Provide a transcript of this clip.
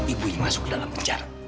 ibunya masuk dalam benjar